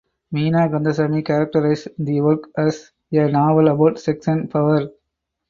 Meena Kandasamy characterised the work as "a novel about sex and power".